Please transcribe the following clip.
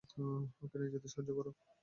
ওকে নিয়ে যেতে সাহায্য করো!